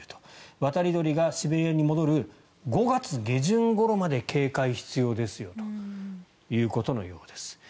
渡り鳥がシベリアに戻る５月下旬ごろまで警戒が必要ですよということのようです。